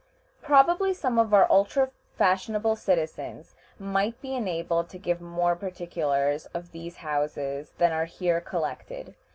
Probably some of our ultra fashionable citizens might be enabled to give more particulars of these houses than are here collected.